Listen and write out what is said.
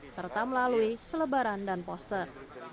serta melalui selebaran dan poster